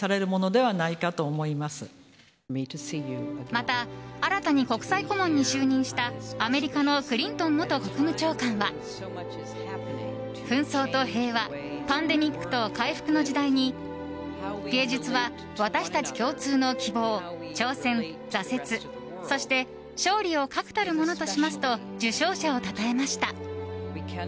また、新たに国際顧問に就任したアメリカのクリントン元国務長官は紛争と平和パンデミックと回復の時代に芸術は私たち共通の希望、挑戦挫折、そして勝利を確たるものとしますと受賞者をたたえました。